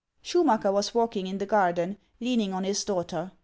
Schumacker was walking in the garden, leaning on his daughter.